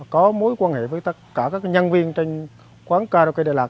có mối quan hệ với tất cả các nhân viên trên quán karaoke đài lạt